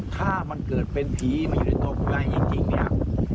ถ้ามันเกิดเป็นผีมาอยู่ในตัวผู้ใดจริงเนี่ย